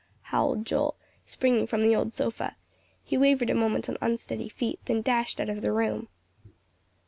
howled Joel, springing from the old sofa. He wavered a moment on unsteady feet, then dashed out of the room.